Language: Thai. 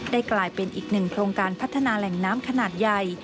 กลายเป็นอีกหนึ่งโครงการพัฒนาแหล่งน้ำขนาดใหญ่